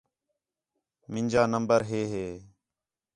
مینجا نمبر ہے ہِے